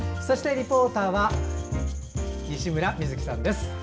そしてリポーターは西村美月さんです。